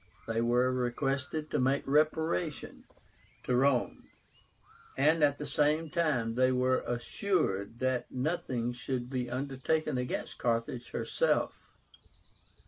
They were requested to make reparation to Rome, and at the same time they were assured that nothing should be undertaken against Carthage herself.